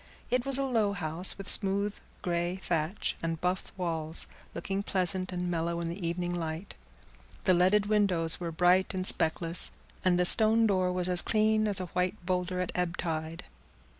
It was a low house, with smooth grey thatch and buff walls, looking pleasant and mellow in the evening light. The leaded windows were bright and speckless, and the door stone was as clean as a white boulder at ebb tide.